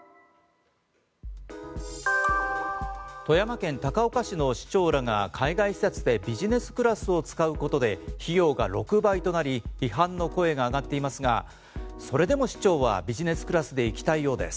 富山県高岡市の市長らが海外視察でビジネスクラスを使うことで費用が６倍となり批判の声が上がっていますがそれでも市長はビジネスクラスで行きたいようです。